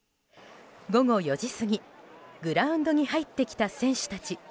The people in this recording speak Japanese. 午後４時過ぎ、グラウンドに入ってきた選手たち。